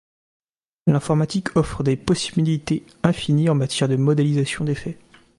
L'informatique offre des possibilités infinies en matière de modélisation d'effets.